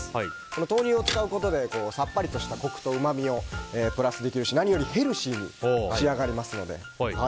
豆乳を使うことでさっぱりとしたコクとうまみをプラスできるし何よりヘルシーに仕上がります。